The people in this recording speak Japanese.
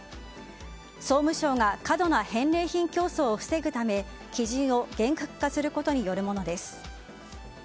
総務省が過度な返礼品競争を防ぐため基準を厳格化することによるものです。